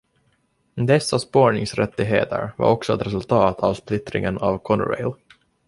Dessa spårningsrättigheter var också ett resultat av splittringen av Conrail.